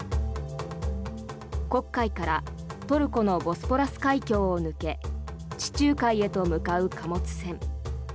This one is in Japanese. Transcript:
黒海からトルコのボスポラス海峡を抜け地中海へと向かう貨物船。